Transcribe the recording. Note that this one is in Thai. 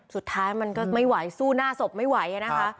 สุดท้ายมันก็ไม่ไหวสู้หน้าศพไม่ไหวนะคะ